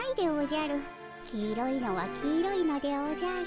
黄色いのは黄色いのでおじゃる。